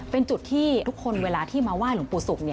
เป็นจุดที่ทุกคนเวลาที่มาไห้หลวงปู่ศุกร์